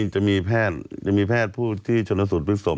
จะมีแพทย์จะมีแพทย์ผู้ที่ชนสูตรพลิกศพ